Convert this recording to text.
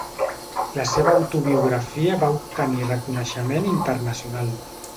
La seva autobiografia va obtenir reconeixement internacional.